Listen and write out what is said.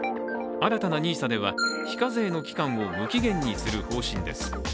新たなＮＩＳＡでは、非課税の期間を無期限にする方針です。